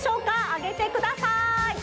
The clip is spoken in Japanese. あげてください。